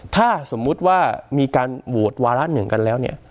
ถ้าสมมติว่ามีการโหวตวาระ๑กันแล้ว